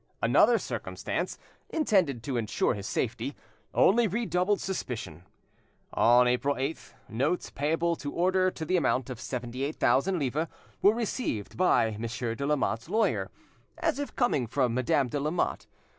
Another circumstance, intended to ensure his safety, only redoubled suspicion. On April 8th, notes payable to order to the amount of seventy eight thousand livres, were received by Monsieur de Lamotte's lawyer, as if coming from Madame de Lamotte.